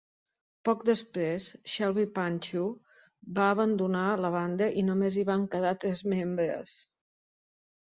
Poc després, Shlevi Panchev va abandonar la banda i només hi van quedar tres membres.